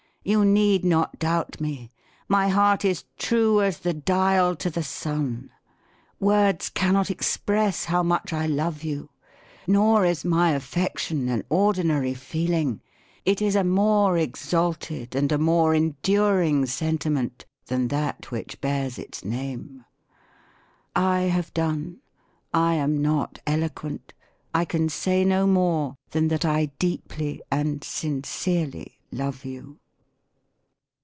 You need not doubt me ; my heart is true as the dial to the sun. Words cannot express how much I love you. Nor is my affection an ordinary feeling : it is a more exalted and a more enduring sentiment than that which bears it name. I have done. I am not eloquent : I can say no more, than that I deeply and sincerely love you."